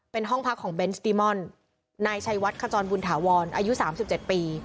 เป็นห้องพักของเบนสติมอนนายชัยวัดขจรบุญถาวรอายุ๓๗ปี